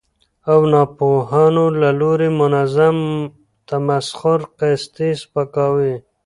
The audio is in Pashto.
او ناپوهانو له لوري منظم تمسخر، قصدي سپکاوي،